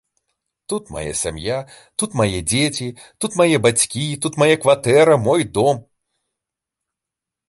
Тут мая сям'я, тут мае дзеці, тут мае бацькі, тут мае кватэра, мой дом.